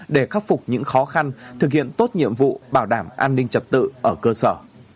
để khắc phục những khó khăn thực hiện tốt nhiệm vụ bảo đảm an ninh trật tự ở cơ sở